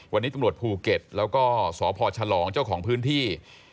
วันนี้ตำรวจภูเก็ตแล้วก็สพฉลองเจ้าของพื้นที่